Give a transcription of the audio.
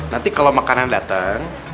nanti kalau makanan datang